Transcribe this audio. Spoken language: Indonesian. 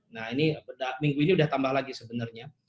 nah ini minggu ini sudah tambah lagi sebenarnya